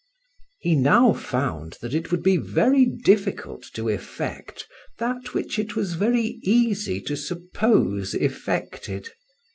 HE now found that it would be very difficult to effect that which it was very easy to suppose effected.